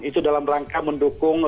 itu dalam rangka mendukung